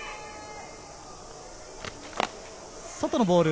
外のボール。